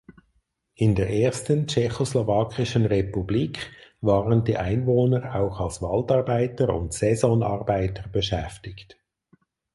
In der ersten tschechoslowakischen Republik waren die Einwohner auch als Waldarbeiter und Saisonarbeiter beschäftigt.